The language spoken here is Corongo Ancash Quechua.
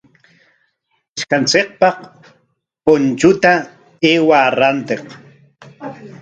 Ishkanchikpaq punchuta aywaa rantiq.